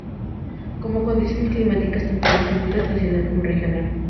Como condiciones climáticas, tanto en el sentido estacional como regional.